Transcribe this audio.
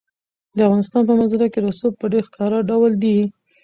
د افغانستان په منظره کې رسوب په ډېر ښکاره ډول دي.